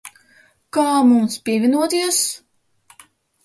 Kā mums pievienoties?